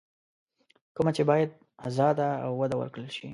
کومه چې بايد ازاده او وده ورکړل شي.